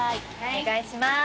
お願いします。